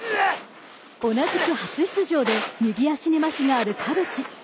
同じく初出場で右足にまひがある田渕。